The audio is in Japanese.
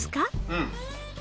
うん！